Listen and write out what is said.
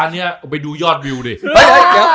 ตอนนี้เอาไปดูยอดวิวดิ